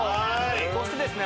そしてですね